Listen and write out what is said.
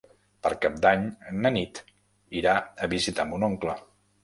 Per Cap d'Any na Nit irà a visitar mon oncle.